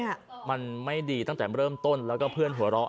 เนี่ยมันไม่ดีตั้งแต่เริ่มต้นแล้วก็เพื่อนหัวเราะ